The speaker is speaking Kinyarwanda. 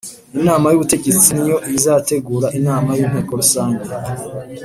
Inama y’ ubutegetsi niyo izategura inama y’inteko rusange